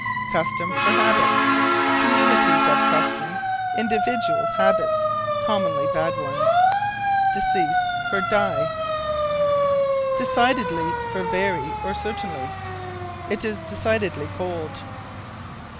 Custom for Habit. Communities have customs; individuals, habits commonly bad ones. Decease for Die. Decidedly for Very, or Certainly. "It is decidedly cold."